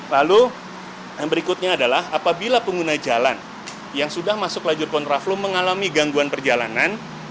lalu yang berikutnya adalah apabila pengguna jalan yang sudah masuk lajur kontraflow mengalami gangguan perjalanan